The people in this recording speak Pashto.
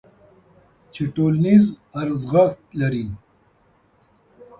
چې ټولنیز ارزښت لري.